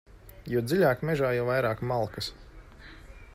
Jo dziļāk mežā, jo vairāk malkas.